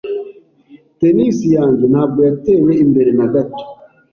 Tennis yanjye ntabwo yateye imbere na gato.